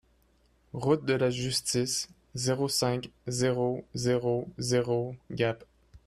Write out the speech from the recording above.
Route de la Justice, zéro cinq, zéro zéro zéro Gap